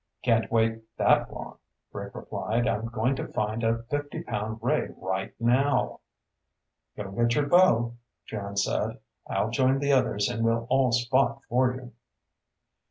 "Can't wait that long," Rick replied. "I'm going to find a fifty pound ray right now." "Go get your bow," Jan said. "I'll join the others and we'll all spot for you."